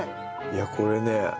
いやこれね。